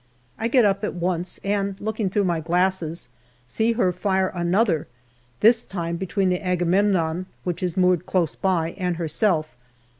I get up at once, and looking through my glasses, see her fire another, this time between the Agamemnon, which is moored close by, and herself.